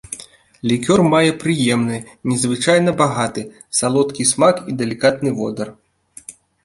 Лікёр мае прыемны, незвычайна багаты, салодкі смак і далікатны водар.